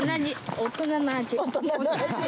大人の味？